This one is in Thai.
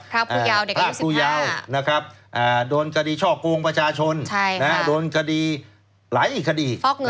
ครับภูเยาว์เด็กอายุ๑๕นะครับโดนคดีช่อกโกงประชาชนโดนคดีหลายอีกคดี